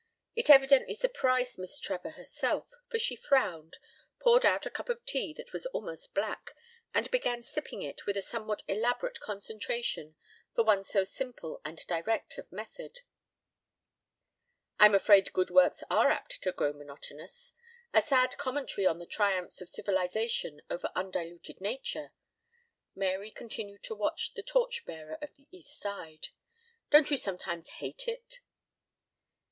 It evidently surprised Miss Trevor herself, for she frowned, poured out a cup of tea that was almost black, and began sipping it with a somewhat elaborate concentration for one so simple and direct of method. "I'm afraid good works are apt to grow monotonous. A sad commentary on the triumphs of civilization over undiluted nature." Mary continued to watch the torch bearer of the East Side. "Don't you sometimes hate it?"